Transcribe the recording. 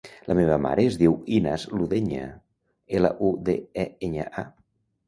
La meva mare es diu Inas Ludeña: ela, u, de, e, enya, a.